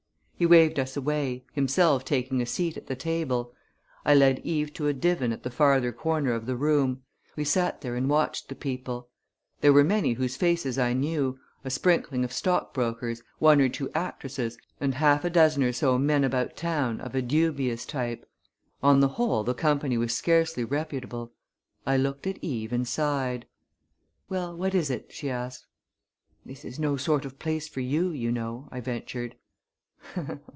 He waved us away, himself taking a seat at the table. I led Eve to a divan at the farther corner of the room. We sat there and watched the people. There were many whose faces I knew a sprinkling of stock brokers, one or two actresses, and half a dozen or so men about town of a dubious type. On the whole the company was scarcely reputable. I looked at Eve and sighed. "Well, what is it?" she asked. "This is no sort of place for you, you know," I ventured.